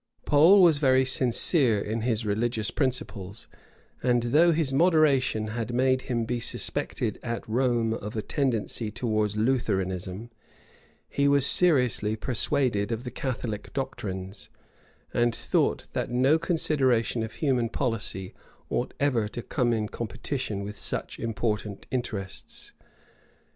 Pole was very sincere in his religious principles; and though his moderation had made him be suspected at Rome of a tendency towards Lutheranism, he was seriously persuaded of the Catholic doctrines, and thought that no consideration of human policy ought ever to come in competition with such important interests.